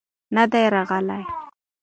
نه دى راغلى.